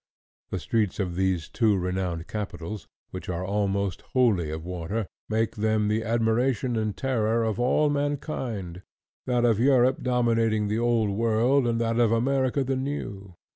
The streets of these two renowned capitals, which are almost wholly of water, make them the admiration and terror of all mankind—that of Europe dominating the old world, and that of America the new.